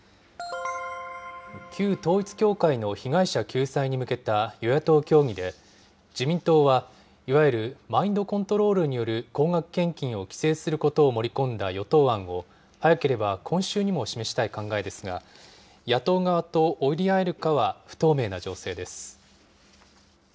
旧統一教会の被害者救済に向けた与野党協議で、自民党はいわゆるマインドコントロールによる高額献金を規制することを盛り込んだ与党案を、早ければ今週にも示したい考えですが、野党側と折り合えるかは不透明な情勢です。